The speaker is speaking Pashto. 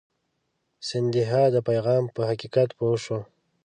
سیندهیا د پیغام په حقیقت پوه شو.